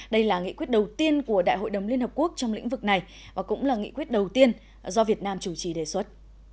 đây là nghị quyết đầu tiên của đại hội đồng liên hợp quốc trong lĩnh vực này và cũng là nghị quyết đầu tiên do việt nam chủ trì đề xuất